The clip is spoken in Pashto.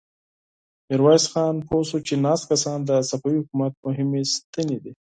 ميرويس خان پوه شو چې ناست کسان د صفوي حکومت مهمې ستنې دي.